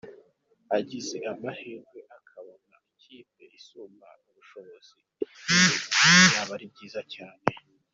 Agize amahirwe akabona ikipe isumbya ubushobozi iyo arimo byaba ari byiza cyane.